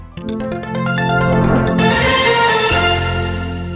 โปรดติดตามตอนต่อไป